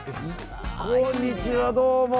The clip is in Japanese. こんにちは、どうも。